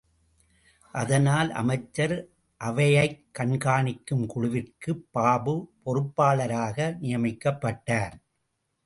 அதனால், அமைச்சர் அவையைக் கண்காணிக்கும் குழுவிற்கு பாபு பொறுப்பாளராக நியமிக்கப்பட்டார்.